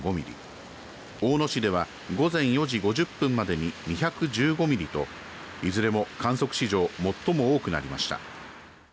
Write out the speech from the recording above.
大野市では午前４時５０分までに２１５ミリといずれも観測史上、最も多くなりました。